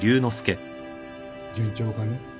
順調かね？